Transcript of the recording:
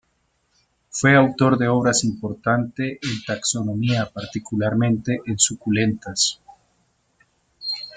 Fue autor de obras importante en taxonomía particularmente en suculentas.